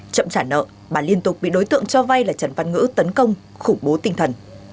chậm trả nợ bà liên tục bị đối tượng cho vay là trần văn ngữ tấn công khủng bố tinh thần